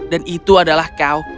dan itu adalah kau